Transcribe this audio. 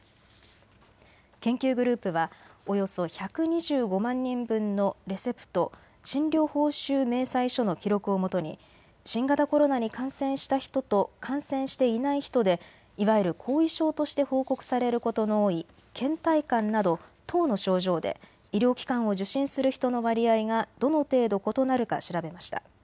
研究グループはおよそ１２５万人分のレセプト・診療報酬明細書の記録をもとに新型コロナに感染した人と感染していない人でいわゆる後遺症として報告されることの多いけん怠感など１０の症状で医療機関を受診する人の割合がどの程度異なるか調べました。